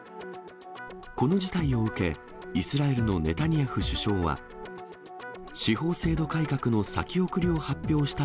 この事態を受け、イスラエルのネタニヤフ首相は、司法制度改革の先送りを発表した